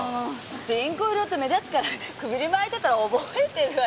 ピンク色って目立つから首に巻いてたら覚えてるわよ。